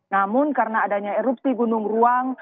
namun karena adanya erupsi gunung ruang